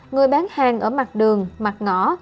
người bán hàng ở mặt đường mặt ngõ